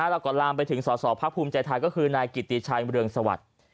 นะฮะเราก็ลามไปถึงสอสอภักดิ์ภูมิใจท้ายก็คือนายกิตตีชัยเมืองสวัสดิ์